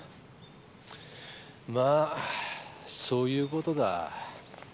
まあそういう事だ。